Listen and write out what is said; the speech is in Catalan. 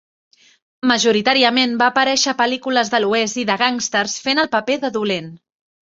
Majoritàriament va aparèixer a pel·lícules de l'oest i de gàngsters fent el paper de dolent.